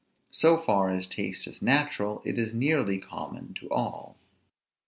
So far as taste is natural, it is nearly common to all.